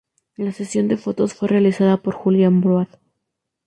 La sesión de fotos fue realizada por Julian Broad.